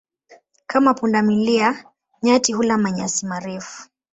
Kama punda milia, nyati hula manyasi marefu.